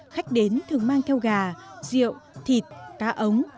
khách đến thường mang theo gà rượu thịt cá ống